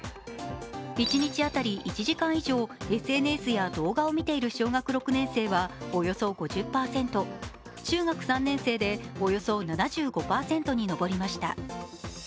一日当たり１時間以上、ＳＮＳや動画を見ている小学６年生はおよそ５０％、中学３年生でおよそ７５％に上りました。